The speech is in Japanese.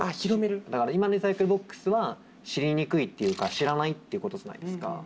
今のリサイクルボックスは知りにくいっていうか知らないってことじゃないですか。